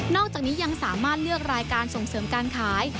อกจากนี้ยังสามารถเลือกรายการส่งเสริมการขาย